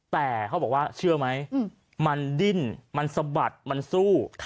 แต่เขาบอกว่าเชื่อไหมมันดิ้นมันสะบัดมันสู้